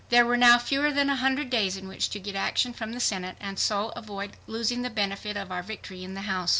There were now fewer than a hundred days in which to get action from the Senate and so avoid losing the benefit of our victory in the House.